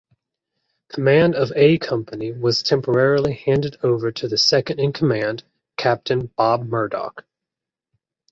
Command of A Company was temporarily handed over to the second-in-command, Captain Bob Murdoch.